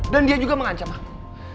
dan dia juga mengancam aku